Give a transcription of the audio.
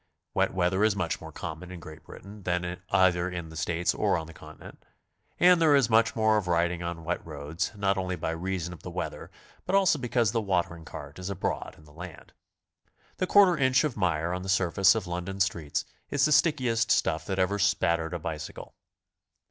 Wet weather is much more common in Great Britain than either in the States or on the Continent, and there is much more of riding on wet roads, not only by reason of the weather, but also because the watering cart is abroad in the land. The quarter inch of mire on the surface of London streets is the stickiest stuff that ever spattered a bicycle.